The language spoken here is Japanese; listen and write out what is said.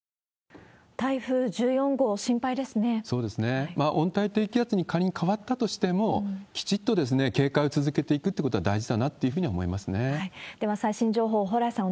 現在、温帯低気圧に仮に変わったとしても、きちっと警戒を続けていくってことは大事だなっていうふうには思では最新情報、蓬莱さん、お